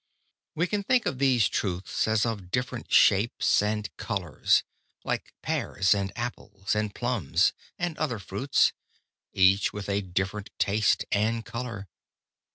We can think of these truths as of different shapes and colors, like pears and apples, and plums and other fruits, each with a different taste and color.